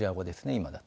今だと。